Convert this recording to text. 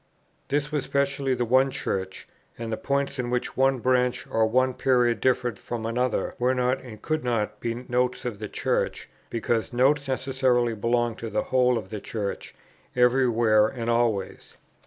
This was specially the one Church, and the points in which one branch or one period differed from another were not and could not be Notes of the Church, because Notes necessarily belong to the whole of the Church every where and always.